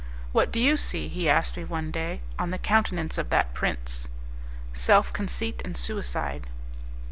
"What do you see," he asked me one day, "on the countenance of that prince?" "Self conceit and suicide."